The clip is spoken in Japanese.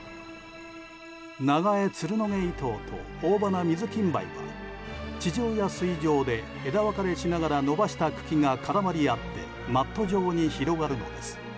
ナガエツルノゲイトウとオオバナミズキンバイは地上や水上で枝分かれしながら伸ばした茎が絡まり合ってマット状に広がるのです。